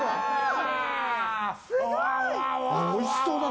すごい！